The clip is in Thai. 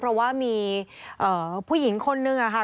เพราะว่ามีผู้หญิงคนนึงค่ะ